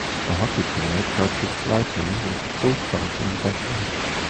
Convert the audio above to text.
A hockey player crouches slightly with a full crowd in the background